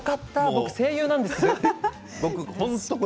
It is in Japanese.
僕声優なんですよ。